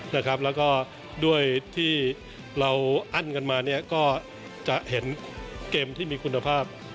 แล้วก็ด้วยที่เราอั้นกันมาเนี่ยก็จะเห็นเกมที่มีคุณภาพ